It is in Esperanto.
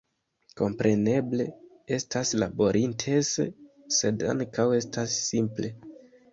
Kompreneble estas laborintense, sed ankaŭ estas simple.